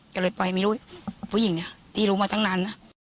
ก็เลยไปให้มีลูกผู้หญิงที่รู้มาตั้งนั้น